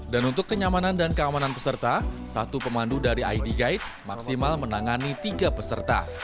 dan untuk kenyamanan dan keamanan peserta satu pemandu dari id guide maksimal menangani tiga peserta